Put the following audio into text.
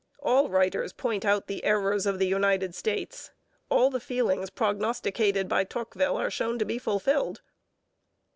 All writers point out the errors of the United States. All the feelings prognosticated by Tocqueville are shown to be fulfilled.